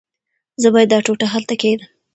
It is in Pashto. زه باید دا ټوټه هلته کېږدم.